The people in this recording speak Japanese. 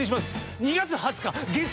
２月２０日月曜夜７時。